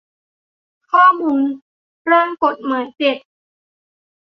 ข้อมูลร่างกฏหมาย เจ็ด